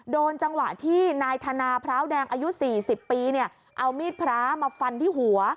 โดนจังหวะที่นายธนาพร้าวแดงอายุ๔๐ปีเนี่ยเอามีดพระมาฟันที่หัว